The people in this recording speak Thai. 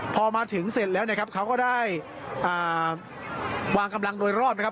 พอมาถึงเสร็จแล้วนะครับเขาก็ได้วางกำลังโดยรอบนะครับ